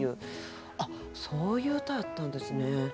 あっそういう歌やったんですね。